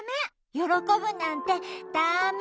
よろこぶなんてダメ！